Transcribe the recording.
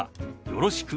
「よろしく」。